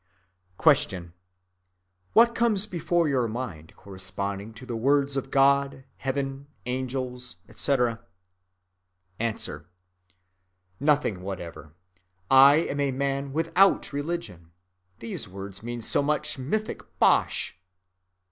Q. What comes before your mind corresponding to the words God, Heaven, Angels, etc.? A. Nothing whatever. I am a man without a religion. These words mean so much mythic bosh.